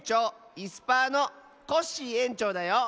いすパーのコッシーえんちょうだよ。